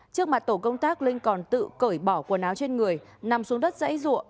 trước mặt tổ công tác linh còn tự cởi bỏ quần áo trên người nằm xuống đất dãy rụa